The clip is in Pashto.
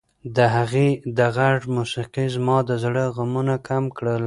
د هغې د غږ موسیقۍ زما د زړه غمونه کم کړل.